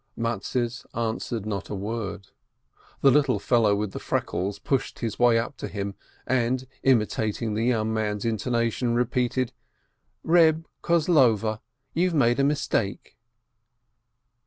Mattes answered not a word. The little fellow with the freckles pushed his way up to him, and imitating the young man's intonation, repeated, "Reb Kozlover, you've made a mistake!"